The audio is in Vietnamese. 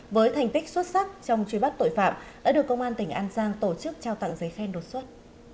với thành tích xuất sắc trong truy bắt tội phạm đã được công an tỉnh an giang tổ chức trao tặng giấy khen đột xuất